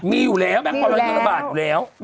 มีอยู่แล้วแบงคอเรามันระบาดอยู่แล้ว